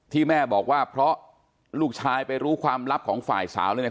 แม่บอกว่าเพราะลูกชายไปรู้ความลับของฝ่ายสาวเลยเนี่ย